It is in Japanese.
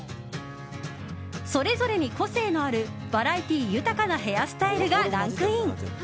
それぞれに個性のあるバラエティー豊かなヘアスタイルがランクイン。